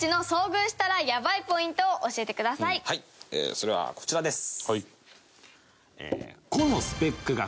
それはこちらです。